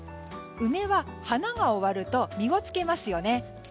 梅は花が終わると実をつけますよね。